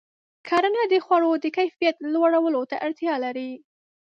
کرنه د خوړو د کیفیت لوړولو ته اړتیا لري.